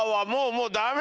もうダメ。